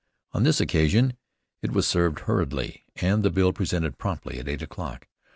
On this occasion it was served hurriedly, and the bill presented promptly at eight o'clock.